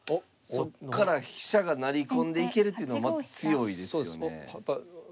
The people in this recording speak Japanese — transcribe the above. そっから飛車が成り込んで行けるっていうのは強いですよね。